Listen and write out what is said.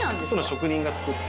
職人が作って。